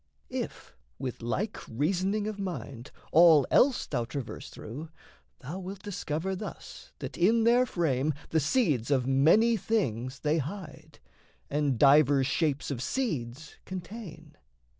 If, with like reasoning of mind, all else Thou traverse through, thou wilt discover thus That in their frame the seeds of many things They hide, and divers shapes of seeds contain.